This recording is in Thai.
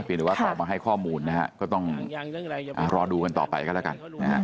เพียงแต่ว่าเขามาให้ข้อมูลนะครับก็ต้องรอดูกันต่อไปก็แล้วกัน